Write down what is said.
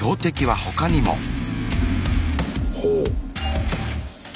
ほう。